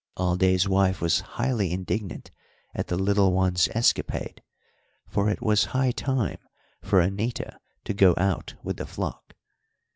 Alday's wife was highly indignant at the little one's escapade, for it was high time for Anita to go out with the flock.